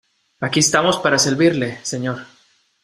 aquí estamos para servirle, señor.